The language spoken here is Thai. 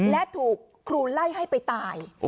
และถูกครูไล่ให้ไปตาย